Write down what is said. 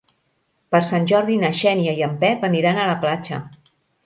Per Sant Jordi na Xènia i en Pep aniran a la platja.